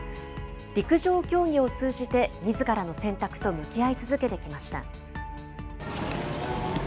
陸上競技を通じて、みずからの選択と向き合い続けてきました。